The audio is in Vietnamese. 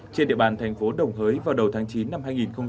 trên địa bàn thành phố đồng hới vào đầu tháng chín năm hai nghìn hai mươi